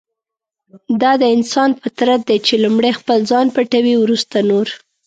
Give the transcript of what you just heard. دا د انسان فطرت دی چې لومړی خپل ځان پټوي ورسته نور.